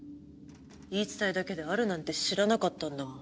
言い伝えだけであるなんて知らなかったんだもん。